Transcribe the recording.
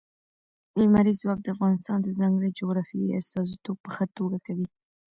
لمریز ځواک د افغانستان د ځانګړي جغرافیې استازیتوب په ښه توګه کوي.